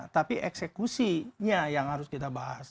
tapi eksekusinya yang harus kita bahas